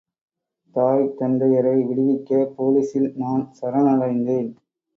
தாய் தந்தையரை விடுவிக்க போலீசில் நான் சரணடைந்தேன்.